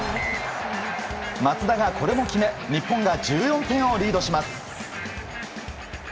松田がこれも決め日本が１４点をリードします。